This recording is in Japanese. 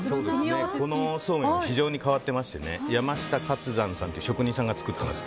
このそうめんは非常に変わっていまして山下勝山さんという職人さんが作ったんです。